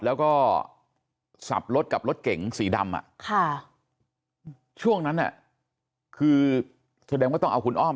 แล้วก็สับรถกับรถเก๋งสีดำช่วงนั้นคือแสดงว่าต้องเอาคุณอ้อม